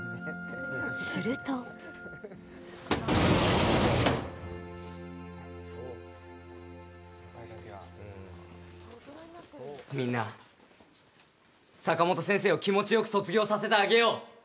するとみんな坂本先生を気持ちよく卒業させてあげよう！